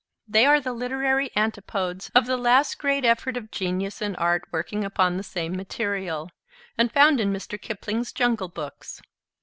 They are the literary antipodes of the last great effort of genius and art working upon the same material, and found in Mr. Kipling's Jungle Books.